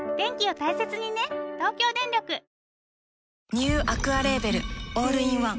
ニューアクアレーベルオールインワン